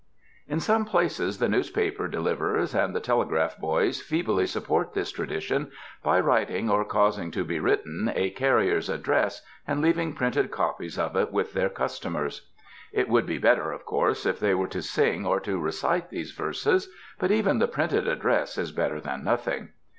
In some places the newspaper deliverers and the telegraph boys feebly support this tradition by writ ing, or causing to be written, a "carrier's address" and leaving printed copies of it with their custom ers. It would be better, of course, if they were to sing or to recite these verses, but even the printed address is better than nothing.